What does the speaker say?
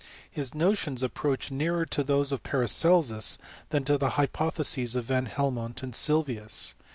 His notions approach nearer to those of Paracelsus than to the hypotheses of Van Helmont and Sylvius.